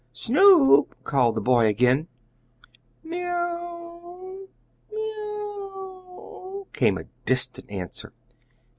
Snoop!" called the boy again. "Me ow me ow!" came a distant answer.